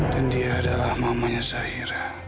dan dia adalah mamanya zahira